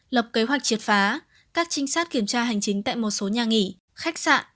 lập kế hoạch triệt phá các trinh sát kiểm tra hành chính tại một số nhà nghỉ khách sạn